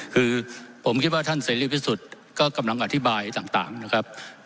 คือผมคิดว่าท่านเสรีพิสุทธิ์ก็กำลังอธิบายต่างนะครับ